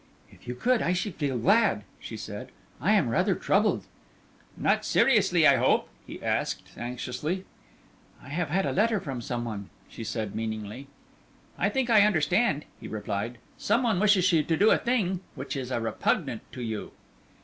"If you could, I should feel glad," she said. "I am rather troubled." "Not seriously, I hope?" he asked, anxiously. "I have had a letter from some one," she said, meaningly. "I think I understand," he replied; "some one wishes you to do a thing which is a repugnant to you."